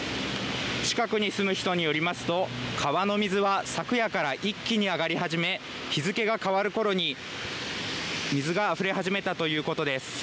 近くに住む人によりますと、川の水は昨夜から一気に上がり始め、日付が変わるころに水があふれ始めたということです。